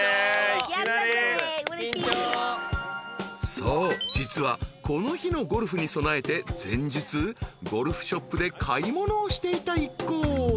［そう実はこの日のゴルフに備えて前日ゴルフショップで買い物をしていた一行］